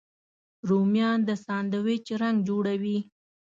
رومیان د ساندویچ رنګ جوړوي